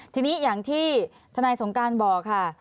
ทีนี้อย่างที่ทนายสงการบอกค่ะ